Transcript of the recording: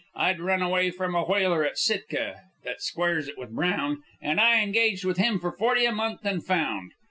I'd run away from a whaler at Sitka, that squares it with Brown, and I engaged with him for forty a month and found.